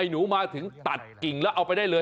ไอหนูมาถึงตัดกิ่งเอาไปได้เลย